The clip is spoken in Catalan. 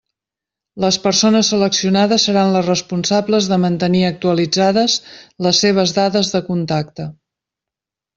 Les persones seleccionades seran les responsables de mantenir actualitzades les seves dades de contacte.